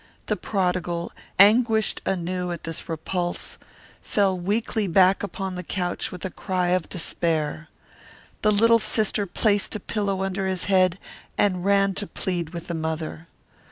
The prodigal, anguished anew at this repulse, fell weakly back upon the couch with a cry of despair. The little sister placed a pillow under his head and ran to plead with the mother.